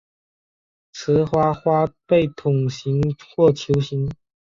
雌花花被筒形或球形。